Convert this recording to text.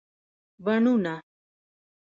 بڼونه